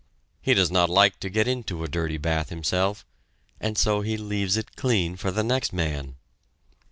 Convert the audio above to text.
He does not like to get into a dirty bath himself, and so he leaves it clean for the next man.